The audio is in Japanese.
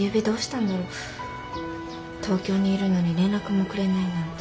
東京にいるのに連絡もくれないなんて。